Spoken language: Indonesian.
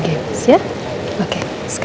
harus ngapain tadi